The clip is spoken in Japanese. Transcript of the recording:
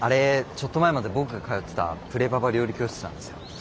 ちょっと前まで僕が通ってたプレパパ料理教室なんですよ。